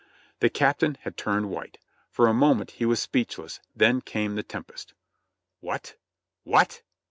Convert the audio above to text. The Captain had turned white ; for a moment he was speechless, then came the tempest. "What! WHAT!!